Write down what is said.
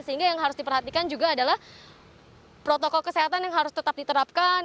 sehingga yang harus diperhatikan juga adalah protokol kesehatan yang harus tetap diterapkan